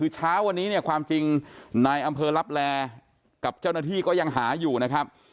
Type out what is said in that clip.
เช้าวันนี้เนี่ยความจริงนายอำเภอลับแลกับเจ้าหน้าที่ก็ยังหาอยู่นะครับ